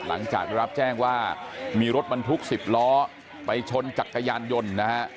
หลังจากได้รับแจ้งว่ามีรถบรรทุก๑๐ล้อไปชนจักรยานยนต์นะฮะ